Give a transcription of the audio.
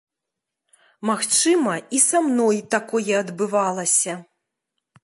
Магчыма, і са мной такое адбывалася.